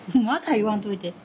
言わんといて。